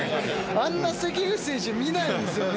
あんな関口選手見ないですよね。